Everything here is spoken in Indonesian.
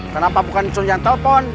kenapa bukan curian telepon